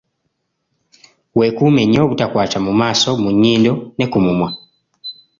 Weekuume nnyo obutakwata mu maaso, mu nnyindo ne ku mumwa.